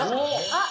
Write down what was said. あっ！